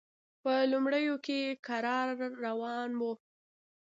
په لومړیو کې کرار روان و.